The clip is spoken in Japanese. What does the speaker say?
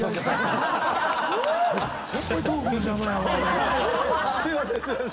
すいません！